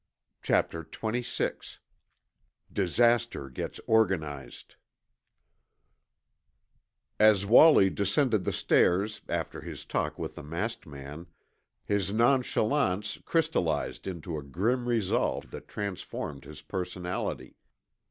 Chapter XXVI DISASTER GETS ORGANIZED As Wallie descended the stairs after this talk with the masked man, his nonchalance crystallized into a grim resolve that transformed his personality.